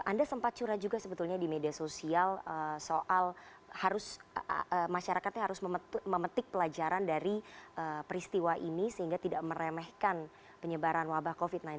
anda sempat curah juga sebetulnya di media sosial soal harus masyarakatnya harus memetik pelajaran dari peristiwa ini sehingga tidak meremehkan penyebaran wabah covid sembilan belas